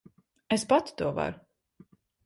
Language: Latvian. Es pati to varu.